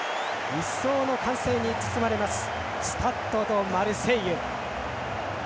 いっそうの歓声に包まれますスタッド・ド・マルセイユ。